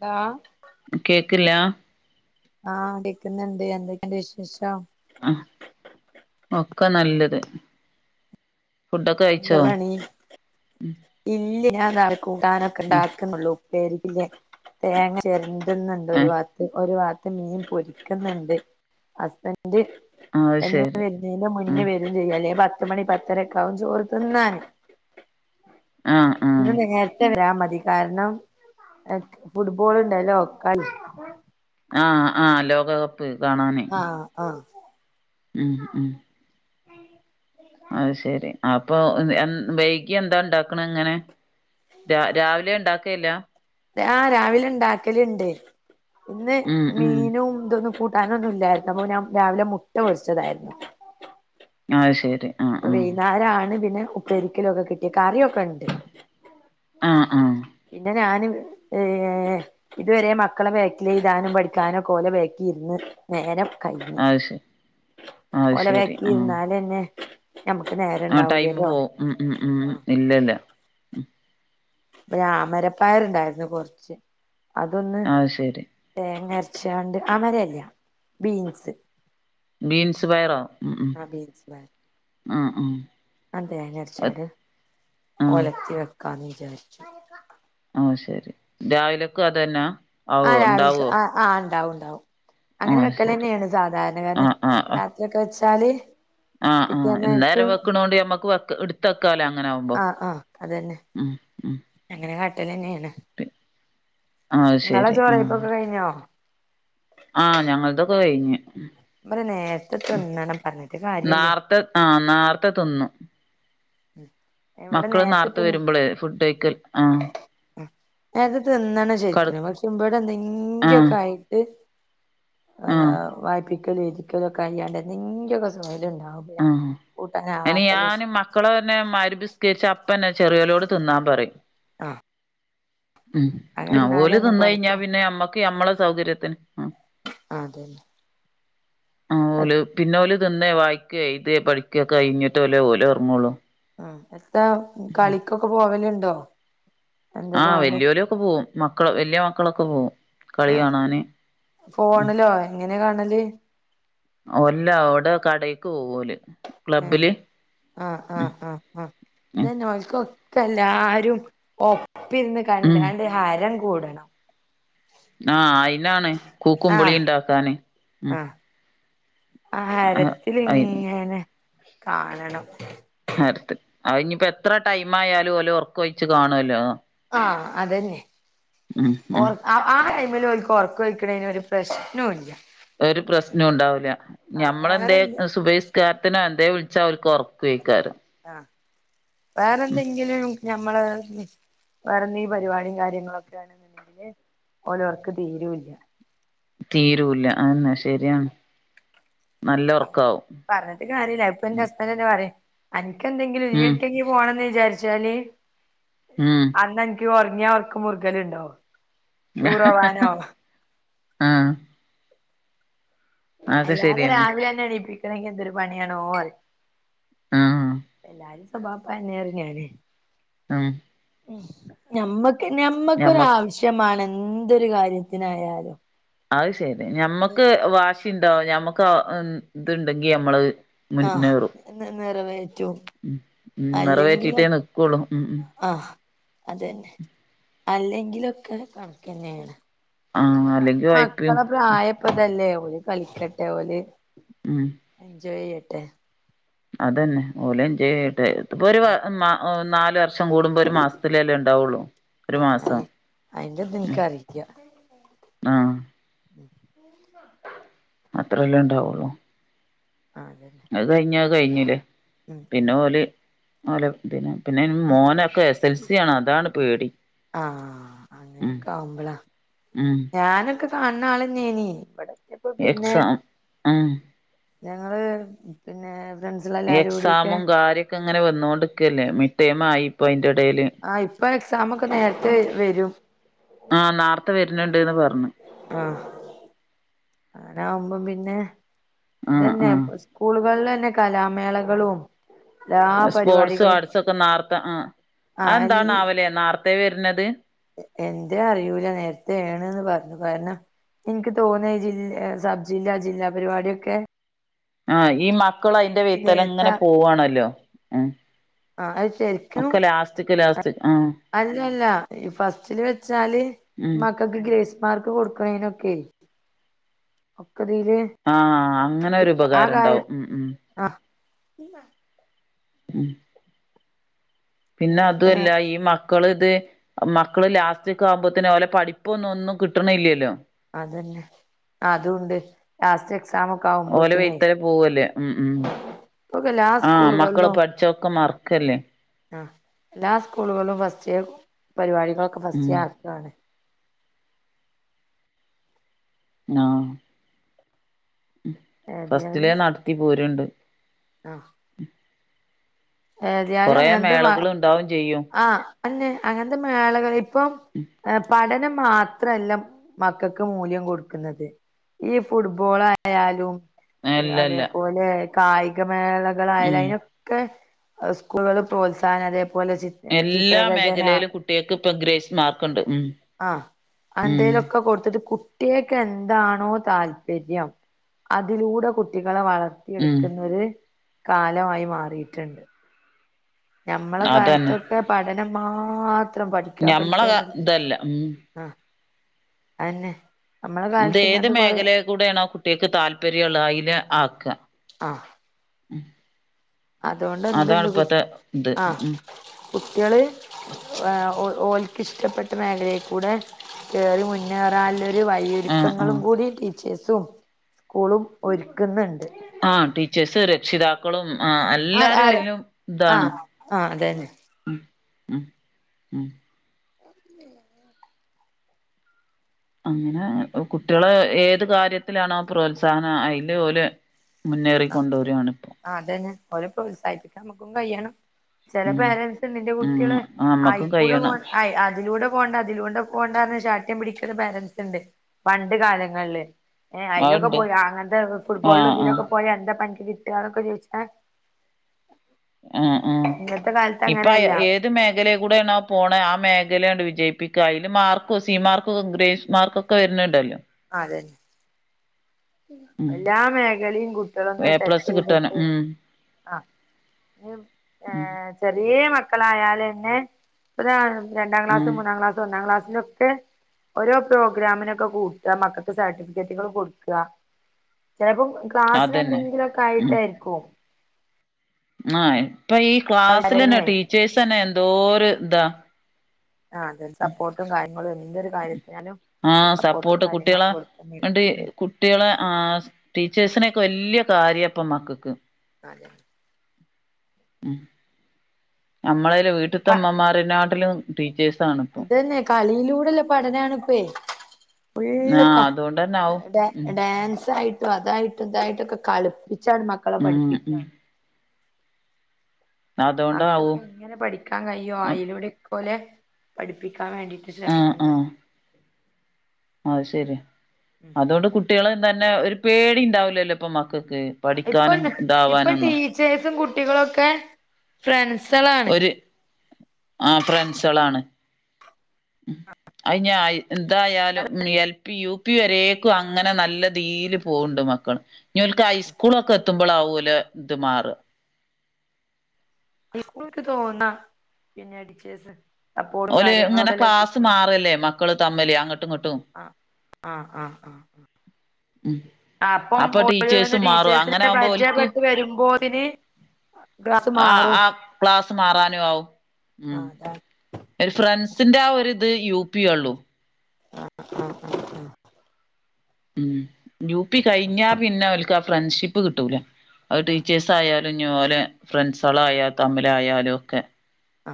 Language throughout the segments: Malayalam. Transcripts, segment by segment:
താഹ് കേക്ക്‌ല്ലാ ആഹ് കേക്ക്‌ന്നുണ്ട് എന്തൊക്കെയുണ്ട് വിശേഷം ആഹ് ഒക്കെ നല്ലത് ഫുഡൊക്കെ കഴിച്ചോ എന്താ പണി ഇല്ല ഞാൻ താ കൂട്ടാനൊക്കെ ആ ണ്ടാക്കുന്നുള്ളൂ ഉപ്പരിക്കില്ലേ തേങ്ങ ചെരണ്ടുന്നുണ്ട് ഒരു വാ ത് ഒരു വാത്ത് മീൻ പൊരിക്കുന്നുണ്ട് ഹസ്ബന്റ് ആ അത് എന്നും ശരി വരുന്നതിന്റെ ഉം മുന്നേ വരും ചെയ്യും അല്ലേ പത്ത് മണി പത്തരക്ക ആവും ചോറ്തിന്നാന് ആ ആ ഇന്ന് നേരത്തെ വരാ മതി കാരണം ഫുട്ബോൾ ഉണ്ടല്ലോ കളി ആഹ് ആഹ് ലോകകപ്പ് കാണാന് ആഹ് ആഹ് ഉം ഉം അത് ശരി അപ്പൊ വൈകി എന്താ ഉണ്ടാക്കണ അങ്ങനെ രാ രാവിലെ ഉണ്ടാക്കീല്യ ആഹ് രാവിലെ ഉണ്ടാക്കലുണ്ട് പിന്നെ ഉം ഉം മീനും ഇതൊന്നും കൂ കൂട്ടാനൊന്നും ഇല്ലായിരുന്നു അപ്പൊ ഞാൻ രാവിലെ മുട്ട പൊരിച്ചതായിരുന്നു അത് ശരി ആഹ് അപ്പൊ വൈകുന്നേരാണ് പിന്നെ ഉപ്പരിക്കള്ളോക്കെ കിട്ടിയ കറിയൊക്കെ ഉണ്ട് ആഹ് ആഹ് പിന്നെ ഞാനും ഏഹ് ഇതുവരെ മക്കളെ ബാക്കില് എഴുതാനും പഠിക്കാനും ഒക്കെ ഓലെ ബാക്കി ഇരുന്ന് നേരം കഴിഞ്ഞു അത് ശരി അത് ഓലെ ശരി [unintelligible] നേരം ആഹ് ടൈമ് ഇണ്ടാവൂലല്ലോ പോവും ഉം ഉം ഉം ആഹ് ഇല്ല ഇല്ല അമരപ്പയറ് ഉണ്ടായിരുന്നു കുറച്ച് അതൊന്ന് അത് ശരി തേങ്ങ അരച്ചോണ്ട് അമരയല്ലയോ ബീൻസ് ബീൻസ് പയറോ ഉം ഉം ആഹ് ആഹ് ഉം അതെ [unintelligible] ആ ഒലത്തി വെക്കാന്ന് വിചാരിച്ചു ആഹ് ശരി രാവിലക്കും അത് തന്നെയാ ആവോ ഉണ്ടാവോ ആഹ് ഉണ്ടാവും ഉണ്ടാവും അങ്ങനെ ആഹ് വെക്കല് ശരി തന്നെയാണ് സാധാരണ കാരണം ആഹ് ആഹ് ആഹ് രാത്രിയൊക്കെവെച്ചാല് ആഹ് ആഹ് എന്നേരം വെക്കണോണ്ട് നമ്മക്ക് വ എ [unintelligible] അങ്ങനെ ആവുമ്പം ആ ഉം ഉം [unintelligible] കട്ടില് തന്നെയാണ് [unintelligible] ആഹ് നിങ്ങളെ ശരി ജോലിയൊക്കെ ആഹ് കഴിഞ്ഞോ ആഹ് ഞങ്ങളതൊക്കെ കഴിഞ്ഞ് [unintelligible] നേരത്തെ തിന്നണം പറഞ്ഞിട്ട് കാര്യം ഇല്ല നാർത്തെ ആഹ് നേർത്തെ തിന്നു ഉം മക്കള് നേർത്തെ വരുമ്പോളേ ഫുഡ് വക്കൽ ആഹ് നേരത്തെ തിന്നാണ് കട് ശരിക്കും പക്ഷെ ഇവിടെ എന്തെങ്കിലും ആഹ് ഒക്കെ ആയിട്ട് ആഹ് വായ്പിക്കലും എഴുതിക്കലും ഒക്കെ കഴിയാണ്ട് എന്തേങ്കിലോക്കെ ഉണ്ടാവും ആഹ് അതിന് ഞാന് മക്കളെ [unintelligible] അപ്പന്നെ ചെറിയലോട് തിന്നാൻ പറയും ആഹ് ഉം [unintelligible] അങ്ങനെ തിന്നാലന്നെ തിന്നുകഴിഞ്ഞ കൊറക്ക പിന്നെ നമ്മക്ക് നമ്മള സൗകര്യത്തിന് ആഹ് ആഹ് അതെ ആഹ് ഓല് പിന്നെ ഓല് തിന്നേ വായി എഴുതിയേ പഠിക്കുക്കെ കഴഞ്ഞിട്ടേ ഓല് ഉറങ്ങുള്ളു ആഹ് [unintelligible] കളിക്കൊക്കെ പോകലുണ്ടോ ആഹ് വല്യോരൊക്കെ പോവും മക്കള് വല്യ മക്കളൊക്കെ പോവും കളി ആ കാണാന് ഉം ഫോണിലോ എങ്ങനെ കാണല് അല്ല അവിടെ കടക്ക് പോവും ഓല് ഏഹ് ക്ലബ്ബില് ആഹ് ഉം ആഹ് ആഹ് ആഹ് ഉം ഇന്നാനോയിക്കോ ഇപ്പം എല്ലാരും ഒപ്പം ഇരുന്ന് ഉം കണ്ടോണ്ട് ഹരം കൂടണം ആഹ് അയിനാണ് കൂക്കുംവിളിയും ഉണ്ടാക്കാന് ഉം ആഹ് ആ ഹരത്തിലിങ്ങനെ കാണണം ഹരത്ത് അയിനിപ്പ എത്ര ടൈം ആയാലും ഓല് ഒർക്കൊയിച്ച് കാണല്ലോ ആഹ് അതന്നെ ഉം ഒർ ആഹ് ആഹ് ആ ടൈമില് ഓലിക്ക് ഒറക്കൊയിക്കണേന് ഒരു പ്രശ്നോല്ലാ ഒരു പ്രശ്നോം ഉണ്ടാവൂല്ലാ ഞമ്മളെന്തേ വേറെന്ത് സുബൈസ് ക്കാരത്തിനോ എന്തേ വിളിച്ചാ ഓലിക്ക് ഒറക്കു ആയിക്കാരം ആഹ് വേറെന്തെങ്കിലും ഞമ്മള് ഇനി വേറെന്തെങ്കി പരിപാടിയും കാര്യങ്ങളൊക്കെ ആണ്ന്ന് [unintelligible] ഓലൊർക്ക് തീരോല്ലാ തീരൂല്ലാ ആന്നെ ശരിയാണ് നല്ല ഒറക്കാവും പറഞ്ഞിട്ട് കാര്യല്ല അത് ഇപ്പം എന്റെ ഹസ്ബൻഡെന്നെ പറയും അൻക്കെന്തെങ്കിലും ഉം [unintelligible] പോണന്ന് വിചാരിച്ചാല് ഉം അന്ന് എനിക്ക് ഒറങ്ങിയാ ഒറ ക്ക് മുറ്ഗലുണ്ടോ ടൂറോവാനോ ആഹ് അതൊക്കെ അല്ലാതെ ശരിയെന്നെ രാവിലെ അന്നെ എണീപ്പിക്കണെങ്കി എന്തൊരു പണിയാണോ പറിം. ആഹ് എല്ലാരിം സ്വഭാവപ്പയെന്നെയാ പറയും ഞാന് ഉം ഉം ഞമ്മക്ക് ഞമ്മ ഞമ്മക്കൊരാവശ്യം മാണം എന്തൊരു കാര്യത്തിനായാലും അത് ശര്യാ ഞമ്മക്ക് വാശിണ്ടോ ഞമ്മക്ക് [unintelligible] ഇത്ണ്ടെങ്കി ഞമ്മള് ആഹ് ന് നിറവേറ്റും ഉം ഉം അല്ലെങ്കിലൊ നിറവേറ്റീട്ടേ നിക്കൊള്ളു ഉം ഉം ആഹ് അതെന്നെ അല്ലെങ്കിലൊക്കെ കണക്കെന്നേണ് ആഹ് അല്ലെങ്കി ഒഴപ്പിയും മക്കളെ പ്രായപ്പതല്ലേ ഓല് കളിക്കട്ടെ ഓല് ഉം എൻജോയ് ചെയ്യട്ടെ അതന്നെ ഓല് എൻജോയ് ചെയ്യട്ടെ ഇത്പ്പൊരു വ മാ ഓ നാല് വർഷം കൂടുമ്പോ ഒരു മാസത്തിലല്ലേ ഉണ്ടാവോള്ളൂ ഒരു ആഹ് മാസം അതെ അയിന്റെത് ഉം എനിക്കറിയില്ല ആഹ് ഉമ്മ അത്രല്ലേ ഉണ്ടാവുള്ളൂ ആഹ് അതന്നെ അത് കയ്ഞ്ഞാ അത് കയ്ഞ്ഞില്ലേ ഉം ഉം പിന്നെ ഓല് ഓലെ ഇതിന് പിന്നെ ഇനി മോനൊക്കെ എസ് എൽ സി ആണ് അതാണ് പേടി ആഹ് ഉം അങ്ങനൊക്കെ ആവുമ്പളാ ഉം ഞാനൊക്കെ കാൺണ ആളെന്നേയേനി ഇവടെത്തിയപ്പ പിന്നെ എക്സാം ഉം ഞങ്ങള് പിന്നെർ എക്സാമും കാര്യൊക്കെ ഇങ്ങനെ വന്നോണ്ട്ക്കല്ലേ മിട്ടേമായിപ്പയിന്റെ എടേല് ആഹ് ഇപ്പം എക്സാമൊക്കെ നേരത്തെ വെരും ആ നാർത്ത വരുന്നുണ്ട്ന്ന് പറഞ്ഞു ആഹ് അങ്ങനാവുമ്പം പിന്നെ ആ ഇതന്നെ സ് ആ സ്കൂള്കളിലെന്നെ കലാമേളകളും എല്ലാ പരിപാടികളും പ്പം നാർത്ത ആഹ് ആഹ് എല്ല അയെന്താണാവലെ നാർത്തേ വര്ണത് എന്തേ അറിയൂലാ നേർത്തേ ആണ്ന്ന് പറഞ്ഞു കാരണം ഇൻക്ക് തോന്നാ ഈ ജിൽ ഏഹ് സബ് ജില്ല ജില്ലാ പരിപാടിയൊക്കെ ആഹ് ഈ മക്കളും അയ്ന്റെ വെയ്ത്തലെ ഇങ്ങനെ നേരത്തെ പോവാണല്ലോ ഉം ആഹ് അത് ശരിക്കും ഒക്കെ ലാസ്റ്റ്ക്ക് ലാസ് അല്ലല്ല ഈ ഫസ്റ്റില് വെച്ചാല് ഉം മ ക്കക്ക് ഗ്രേസ് മാർക്ക് കൊടുക്ക്ണെയ്നൊക്കെ ഒക്കതീല് ആഹ അങ്ങനെരു ഉപകാരം ഉണ്ടാവും ഉം ഉം ആഹ് ഉം പിന്നെ അതു നേരത്തെ നേ അല്ല ഈ മ മക്കള്ത് മക്കള് ലാസ്റ്റ് ക്കാകുമ്പോത്ത്ന് ഓലെ പഠിപ്പൊന്നും ഒന്നും കിട്ടണില്ലല്ലോ അതന്നെ അതൂണ്ട് ലാസ്റ്റ് എക്സാംമൊക്കെ ഓലെ വെയത്തല പോവല്ലേ ഉം ഉം ഇപ്പൊക്കെ എല്ലാ ആഹ മക്കള് പഠിച്ചൊക്കെ മറക്കല്ലേ ആഹ എല്ലാ സ്കൂളുകളും ഫസ്റ്റ് പരിപാടികളൊക്കെ ഉം ഫസ്റ്റേ ആക്കാണ് പിന്നാ ഉം ഏതായാലും ഫസ്റ്റിലേ നടത്തി പോര്ണ്ട് ആഹ് ഏത്യാലും കൊറേ അങ്ങനത്തെ മ മേളകള് ഉണ്ടാവും ചെയ്യും ആഹ അന്നെ അങ്ങനത്തെ മേളകൾ ഇപ്പം അഹ പഠനം മാത്രല്ല മക്കക്ക് മൂല്യം കൊടുക്കുന്നത് ഈ ഫുട്ബോൾ ആയാലും അല്ലല്ല അതേപോലെ കായിക മേളകളായാലും ഉം അയ്നൊക്കെ സ്കൂളുകള് പ്രോത്സാഹനം അതേപോലെ ചി... എല്ലാ ചിത്രരചന മേഖലയിലും കുട്ടിക്ക് ഇപ്പം ഗ്രേസ് മാർക്ണ്ട് ഉം ഉം അന്തേലൊക്കെ കൊടുത്തിട്ട് കു കുട്ടിക്ക് എന്താണോ താല്പര്യം അതിലൂടെ കുട്ടികളെ വളർ ഉം എടുക്കുന്നൊരു കാലമായി മാറിയിട്ട്ണ്ട് ഞമ്മള അതന്നെ കാലത്തൊക്കെ പഠനം മാത്രം പഠിക്കാ ഞമ്മളെ പഠിക്കാ പഠ ഇതല്ല ഉം ആഹ അഹന്നെ നമ്മളെ കാലത്ത് ഇങ്ങത്തെ കൊറ കൂടെയാണ് കുട്ടിൾക്ക് താല്പര്യള്ള അയ്ല് ആക്ക ആഹ അതോണ്ട് ന്ത് അതാണ് ണ്ട് ഇപ്പത്തെ ഇത് ആഹ ഉം കുട്ടിള് എഹ ഓല്... ഇഷ്ടപ്പെട്ട മേഖലയിൽ കൂടെ കെറി മുന്നേറുള്ളൊരു ആഹ് ആഹ് വഴിയൊരുക്കങ്ങളും കൂടി ച്ചസും സ്കൂളും ഒരുക്കുന്നുണ്ട് ആഹ ടീച്ചേഴ്സ് രക്ഷിതാക്കളും ആഹ ആ എല്ലാരും ആര് അയിലും ആ ഇതാണ് ആ അതന്നെ ഉം ഉം ഉം [inaudible] അങ്ങനെ കുട്ടിള് ഏത് കാര്യത്തിലാണോ പ്രോത്സാഹനം അയ്ല് ഓലെ മുന്നേറിക്കണ്ടുവരിണിപ്പോ ആഹ അതന്നെ ഓര പ്രോത്സാഹിപ്പിക്കാൻ നമുക്കും കഴിയണം ചെല ഉം പേരൻറ്സ് നിന്റെ ഉം കുട്ടിള് നമ്മക്കും ആയിക്കൂടെ കയ്യണം അതിലൂടെ പോണ്ട ഇതിലൂണ്ട പോണ്ടന്ന് ശാഠ്യം പിടിക്കുന്ന പേരൻറ്സ് ഉണ്ട് പണ്ട് കാലങ്ങളില് ഏ അയ്ലൊക്കെ അത്ണ്ട് പോയ അങ്ങനത്തെ ഫുട്ബോളിലും ആഹ് ആഹ് ഇതിലൊക്കെ പോയാ എന്താ പ്പൻക്ക് കിട്ട ന്നൊക്കെ ചോയ്ച്ച്ണ ആഹ ആഹ ഇന്നത്തെ കാലത്ത് ഇപ്പൊ അങ്ങനെയല്ല ഏത് ത് മേഖലെ കൂടെയാണ് ആഹ പോണ ആഹ മേഖലയുണ്ട് വിജയിപ്പിക്കുക അതിന് മാർക്ക സി മാർക്ക്ഗ്രേസ് മാർക്കൊക്കെ ക്കെ വരുന്നണ്ടല്ലോ അഹ അതന്നെ ഉം എല്ലാ മേഖലയും കുട്ടികളൊന്ന് എ പ്ലസ് കിട്ടാനും ടച്ച്യ്തിട്ട് ഉം ആഹ ഉം ചെറേ മക്കളായാലെന്നെ ഇപ്പ രണ്ടാം ഉം ക്ലാസും മൂന്നാം ക്ലാസും ഒന്നാം ക്ലാസ്സിന്റെ..... ട്ട് ഓരോ പ്രോഗ്രാമിനൊക്കെ കൂട്ട മക്കൾക്ക് സർട്ടിഫിക്കറ്റുകൾ കൊടുക്ക ചെലപ്പം ക്ലാസ്സിന് അതന്നെ ഉം എന്തെങ്കിലുംക്കെയിട്ടായിരിക്കും ആഹ് ഇപ്പൊ ഈ ക്ലാസ്സലെന്നെ ആഹ് ടീച്ചേഴ്സ്ന്നെ എന്തോ ഒരു ഇതാ ആ അതന്റെ സപ്പോർട്ടും കാര്യങ്ങളും എന്തൊരു കാര്യത്തിനാലും ആഹ് സപ്പോർട്ടും സപ്പോർട്ട് കാര്യങ്ങളും കുട്ടികളെ കൊടുത്തന്നും ണ്ട് കുട്ടികളെ ആ ടീച്ചേഴ്സിനെക്കെ വലിയ കാര്യംപ്പ മക്കക്ക് അതെ [unintelligible] നമ്മളെ പ വീട്ടിലത്തഇമ്മാമരനാട്ടിലും ടീച്ചേഴ്സണിപ്പോ അതന്നെ കളിയിലൂടെല്ലേ പഠനാണിപ്പേ ഫുള്ള് ആഹ് ക അതുകൊണ്ടന്നെ ആവും ഉം ഡാൻസായിട്ടും അതായിട്ട് മറ്റതായിട്ടൊക്കെ കളിപ്പിച്ചാണ് മക്കളെ ഉം പഠിപ്പിക്കാ ഉം അതോണ്ടാവും മക്കൊക്കെ ഇങ്ങനെ പഠിക്കാൻ കഴിയോ അഴിലൂടെ ഇക്കോലെ പഠിപ്പിക്കാൻ വേണ്ടിട്ട് ആഹ് ശ്രമിക്കുന്ന ആഹ് അത് ശരി അതൊണ്ട് കുട്ടികള് തന്നെ ഒരു പേടി ഉണ്ടാവൂലല്ലോ ഇപ്പൊ മക്കൾക്ക് ഇപ്പൊ പഠിക്കാനും ഇപ്പൊ ഇതാവാനൊന്നു ടീച്ചേഴ്സും കുട്ടികളുംക്കെ ഫ്രണ്ട്സളാണ് ആ ഫ്രണ്ട്സളാണ് അയിഞ്ഞയി എന്തായാലും എൽ പി യു പി വരെക്കും അങ്ങനെ നല്ല തീൽ പോണ്ട് മക്കൾ ഇനി ഓൽക്ക് ഹൈസ്കൂളൊക്കെ എത്തുമ്പോളാ ഓലെ ഇത് മാറ സ്കുൾക് തോന്ന പിന്നെ അടിച്ചേസ് ഓല് ഇങ്ങനെ ക്ലാസ് മാറല്ലേ മക്കള് തമ്മില് അങ്ങട്ടും ഇങ്ങട്ടും ആ ആഹ് ആഹ് ആഹ് ഉം അപ്പം അപ്പൊ ഓരോന്ന് ടീച്ചേഴ്സും മാറും അങ്ങനെ ടീച്ചേഴ്സിനെ ആവുമ്പോ ഓൽക്ക് പരിചയപ്പെട്ട് വരുമ്പോതിന് ക്ലാസ് ആ മാറും ആ ക്ലാസ്സ് മാറാനും ആവും ഉം ആഹ് അതാണ് ഒര് ഫ്രാൻസിന്റെ ആ ഒരിത് യുപിയെള്ളു ആ ആ ആ ഉം യു പി കഴിഞ്ഞാ പിന്നെ ഒൽക്ക് ആ ഫ്രണ്ട്ഷിപ്പ് കിട്ടൂല അ ആഹ് ടീച്ചേഴ്സ് ആയാലും ഇഞ്ഞ് ഓലെ ഫ്രണ്ട്സളായാൽ തമ്മിലായാലും ക്കെ ആ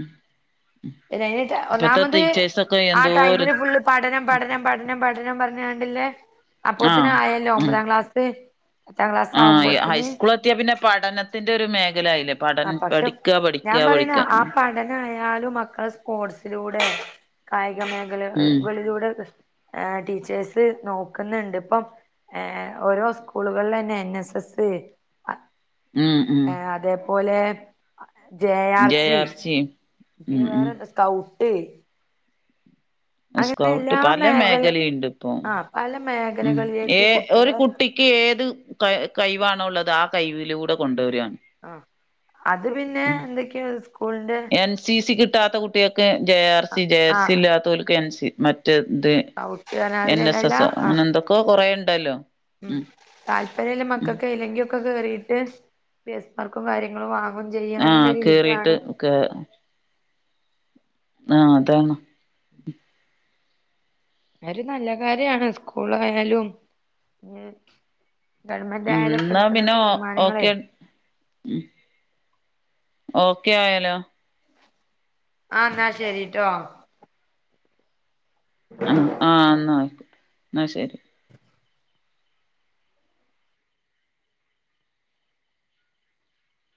ഉം [inaudible] അയ്ന് ഒന്നാമത് ആ എന്തോര് ടൈമില് ഫുള്ള് പഠനം പഠനം പഠനം പഠനം പറഞ്ഞാണ്ടില്ലേ ആഹ് അപ്പത്തിനായല്ലോ ഒമ്പതാം ക്ലാസ്സ് ആ ഹൈസ്കൂൾ എത്തിയാ പിന്നെ പഠനത്തിന്റെ ഒരു മേഖല ആയില്ലെ പഠൻ ആ പഠിക്ക പഠിക്ക പഠിക്ക അങ്ങനെ അായാലും മക്കളെ സ്പോർട്സിലൂടെ കായിക ഉം മേഖലകകളിലൂടെ ആ ടീച്ചേഴ്സ് നോക്കുന്നുണ്ട് ഇപ്പം ഓരോ സ്കൂളുകളിലന്നെ എൻ എസ് എസ് ഉം ഉം അതേപോലെ ജെ ആർ സി ഉം പിന്നെ ഉം വേറെന്താ സ്കൗട്ട് അങ്ങനെ സ്കൗട്ട് എല്ലാ പല മേഖല ഇണ്ട്പ്പം ആ പല ഉം ഏ മേഖലകളിലേക്ക് ഒരു കുട്ടികളെ കുട്ടി ക്ക് ഏത് ക കൈവാണേള്ളത് ആ കൈവിലൂടെ കൊണ്ടേരാണ് ആ അത് പിന്നെ എന്തൊക്കെ സ്കൂളിന്റെ എൻ സി സി കിട്ടാത്ത കുട്ട്യേക്ക് J R C J R ആ സി ഇല്ലാത്തേൽക്ക് എൻ സി മ മറ്റത് സ്കൗട്ട് എൻ എസ് അതിനെല്ലാ എസ് ആ അങ്ങനെ എന്തൊക്കെ കൊറെണ്ടല്ലോ ഉം താല്പര്യല്ല മക്കക്ക് എയ്ലങ്കിലെക്കെ കേറിട്ട് പി ഗ്രേസ്മാർക്കും കാര്യങ്ങളും വാങ്ങാം ആഹ കേറിട്ട് കേ ആഹ അതാണ് ആത് ഒരു നല്ല കാര്യാണ് സ്കൂളായാലും ഗവൺമെന്റ് ഉം അയാലുപ്പട്ക്ക്ണ തീരുമാനങ്ങളെ ഉം ഓക്കെ ആയാലോ ആഹ് ന്നാ ശരിട്ടോ ആഹ ആഹ ന്നാ ആയിക്കേട്ടെ ന്നാ ശരി